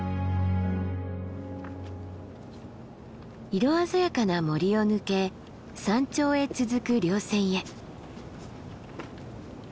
色鮮やかな森を抜け山頂へ続く稜線へ。